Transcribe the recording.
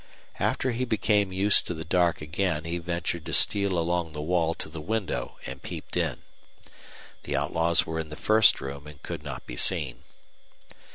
After he became used to the dark again he ventured to steal along the wall to the window and peeped in. The outlaws were in the first room and could not be seen.